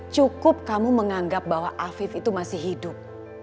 cukup kamu menganggap bahwa afif itu masih hidup